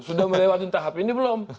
sudah melewati tahap ini belum